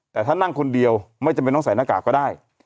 แต่ถ้านั่งคนเดียวไม่จำเป็นต้องใส่หน้ากากก็ได้